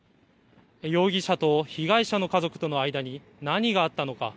容疑者と被害者の家族との間に何があったのか。